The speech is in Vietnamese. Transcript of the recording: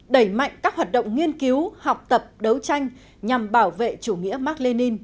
đẩy mạnh các hoạt động nghiên cứu học tập đấu tranh nhằm bảo vệ chủ nghĩa mark lenin